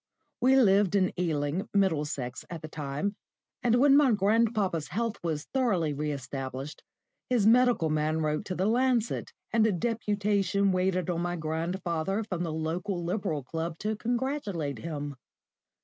We lived in Ealing, Middlesex, at the time, and when my grandpapa's health was thoroughly re established, his medical man wrote to the Lancet, and a deputation waited on my grandfather from the local Liberal Club to congratulate him.